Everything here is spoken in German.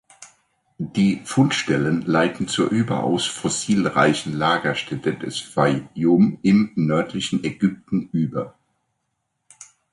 Die Fundstellen leiten zur überaus fossilreichen Lagerstätte des Fayyum im nördlichen Ägypten über.